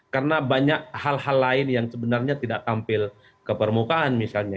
karena banyak hal hal lain yang sebenarnya tidak tampil ke permukaan misalnya